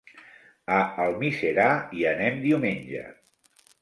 A Almiserà hi anem diumenge.